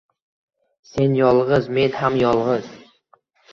Sen yolgʻiz, men ham yolgʻiz.